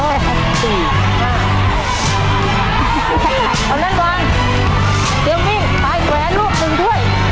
เอานั่นด่วนเตรียมวิ่งแก่แก่ลูกหนึ่งด้วย